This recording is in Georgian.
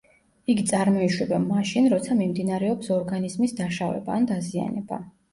იგი წარმოიშვება მაშინ, როცა მიმდინარეობს ორგანიზმის დაშავება, ან დაზიანება.